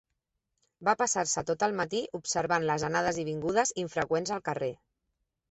Va passar-se tot el matí observant les anades i vingudes infreqüents al carrer.